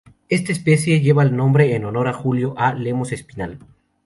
Esta especie lleva el nombre en honor a Julio A. Lemos-Espinal.